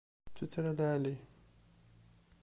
D tuttra lɛali.